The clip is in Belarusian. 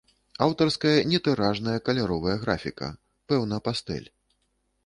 Аўтарская нетыражная каляровая графіка, пэўна пастэль.